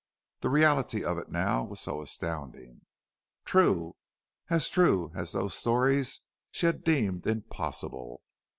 The reality of it now was so astounding. True as true as those stories she had deemed impossible!